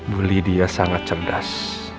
bu lydia sangat cerdas